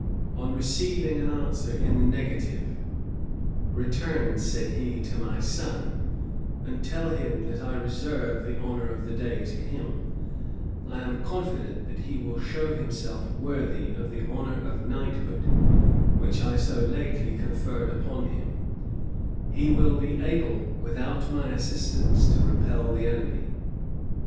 On receiving an answer in the negative, "Return," said he, "to my son, and tell him that I reserve the honor of the day to him: I am confident that he will show himself worthy of the honor of knighthood which I so lately conferred upon him: he will be able, without my assistance, to repel the enemy."